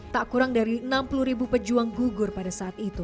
tak kurang dari enam puluh ribu pejuang gugur pada saat itu